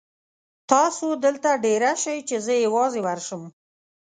تاسو دلته دېره شئ چې زه یوازې ورشم.